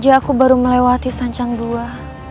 bisa aja aku baru melewati sanjang dua